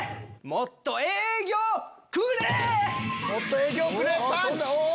もっと営業くれパンチ！